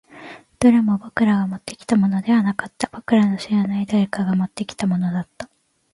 どれも僕らがもってきたものではなかった。僕らの知らない誰かが持ってきたものだった。